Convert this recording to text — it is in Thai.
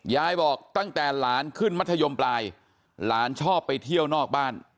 ยายบอกตั้งแต่หลานขึ้นมัธยมปลายหลานชอบไปเที่ยวนอกบ้าน